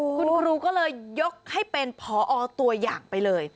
คุณครูก็เลยยกให้เป็นพอตัวอย่างไปเลย